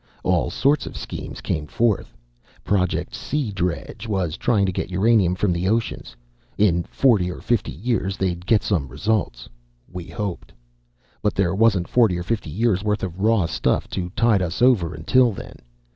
All sorts of schemes came forth. Project Sea Dredge was trying to get uranium from the oceans. In forty or fifty years, they'd get some results, we hoped. But there wasn't forty or fifty years' worth of raw stuff to tide us over until then.